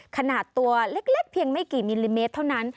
ขนาดตัวเล็กเพียงไม่กี่มิลลิเมตรเท่านั้น